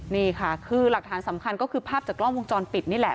นี่ค่ะคือหลักฐานสำคัญก็คือภาพจากกล้องวงจรปิดนี่แหละ